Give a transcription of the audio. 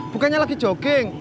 bukannya lagi jogging